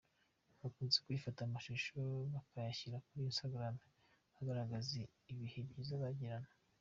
Bakunze kwifata amashusho bakayashyira kuri instagram bagaragaza ibihe byiza bagirana.